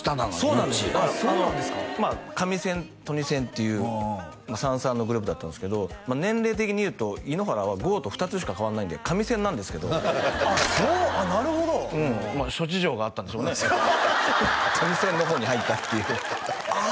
そうなんですよだからまあカミセントニセンっていう３３のグループだったんですけど年齢的にいうと井ノ原は剛と２つしか変わんないんでカミセンなんですけどあっそうなるほどまあ諸事情があったんでしょうねトニセンの方に入ったっていうあ